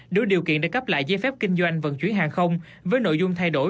đủ điều kiện để cấp lại giấy phép kinh doanh vận chuyển hàng không với nội dung thay đổi